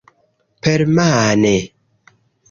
Permane!